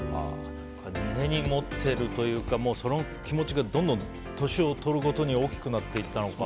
これ、根に持ってるというかその気持ちがどんどん年を取るごとに大きくなっていったのか。